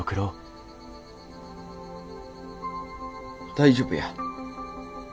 大丈夫や。